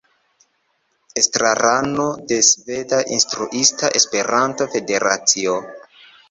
Estrarano de Sveda Instruista Esperanto-Federacio.